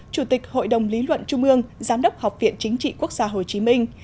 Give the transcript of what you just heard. chủ tịch hội đồng lý luận trung ương giám đốc học viện chính trị quốc gia hồ chí minh